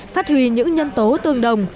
phát huy những nhân tố tương đồng